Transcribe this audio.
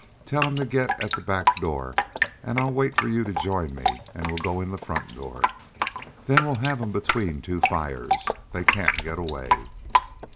Tell him to get at the back door, and I'll wait for you to join me, and we'll go in the front door. Then we'll have 'em between two fires. They can't get away."